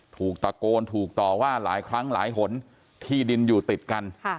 ถูกตะโกนถูกต่อว่าหลายครั้งหลายหนที่ดินอยู่ติดกัน